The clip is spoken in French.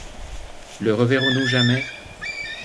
Le reverrons-nous jamais ?